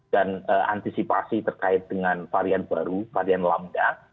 dan antisipasi terkait dengan varian baru varian lambda